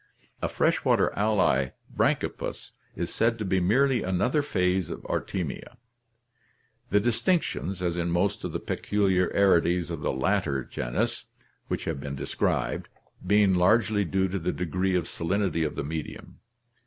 A fresh water ally, Branckipus, is said to be merely another phase of Artemia, the distinctions, as in most of the peculiarities of the latter genus which have been described, being largely due to the degree of salinity of the medium.